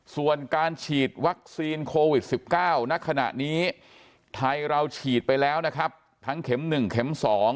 ส่วนการฉีดวัคซีนโควิด๑๙ณขณะนี้ไทยเราฉีดไปแล้วนะครับทั้งเข็ม๑เข็ม๒